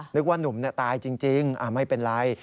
นึกว่านุ่มตายจริงไม่เป็นไร